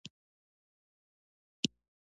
شهسوار په بېړه تر پايڅې ونيو.